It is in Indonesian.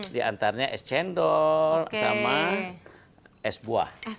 di antaranya es cendol sama es buah